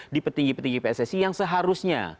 di petinggi petinggi pssi yang seharusnya